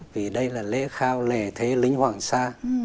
vì đây là lễ khao lễ thế lính hoàng sa